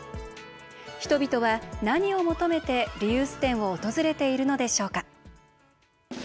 人々は何を求めて、リユース店を訪れているのでしょうか。